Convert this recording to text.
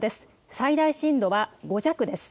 最大震度は５弱です。